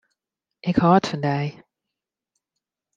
Ik hâld fan dy.